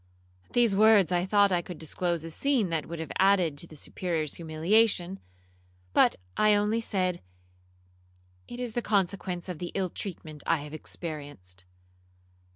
At these words I thought I could disclose a scene that would have added to the Superior's humiliation, but I only said, 'It is the consequence of the ill treatment I have experienced.'